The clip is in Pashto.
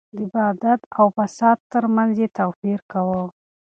د بدعت او فساد ترمنځ يې توپير کاوه.